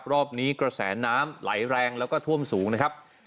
รอบนี้กระแสน้ำไหลแรงแล้วก็ท่วมสูงนะครับ